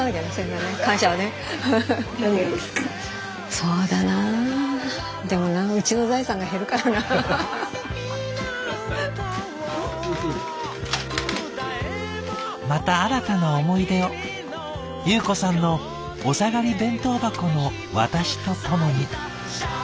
そうだな「また新たな思い出を裕子さんのお下がり弁当箱の私とともに」。